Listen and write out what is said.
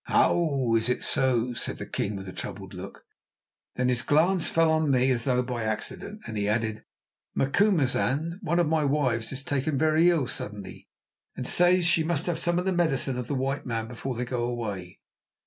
"Ow! is it so?" said the king with a troubled look. Then his glance fell on me as though by accident, and he added: "Macumazahn, one of my wives is taken very ill suddenly, and says she must have some of the medicine of the white men before they go away.